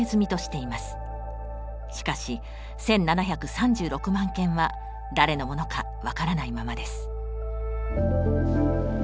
しかし１，７３６万件は誰のものか分からないままです。